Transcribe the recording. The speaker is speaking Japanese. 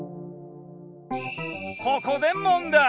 ここで問題！